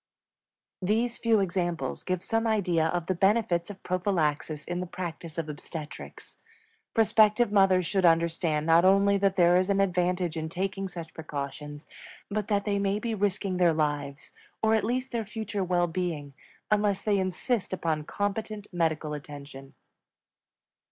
These few examples give some idea of the benefits of prophylaxis in the practice of obstetrics. Prospective mothers should understand not only that there is an advantage in taking such precautions, but that they may be risking their lives, or at least their future well being, unless they insist upon competent medical attention.